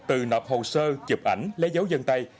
từ nộp hồ sơ chụp ảnh lấy dấu dân tay